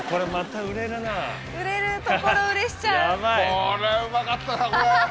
これうまかったなこれ！